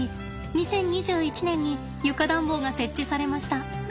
２０２１年に床暖房が設置されました。